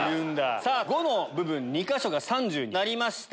「５」の部分２か所が３０になりました。